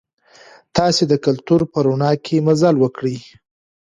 تاسي د کلتور په رڼا کې مزل وکړئ.